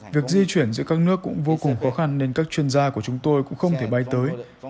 việc di chuyển giữa các nước cũng vô cùng khó khăn nên các chuyên gia của chúng tôi cũng không thể bay tới